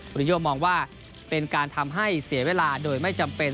ริโยมองว่าเป็นการทำให้เสียเวลาโดยไม่จำเป็น